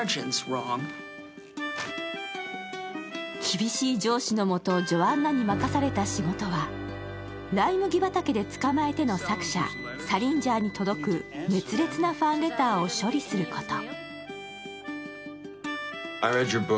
厳しい上司の下、ジョアンナに任された仕事は、「ライ麦畑でつかまえて」の作者、サリンジャーに届く熱烈なファンレターを処理すること。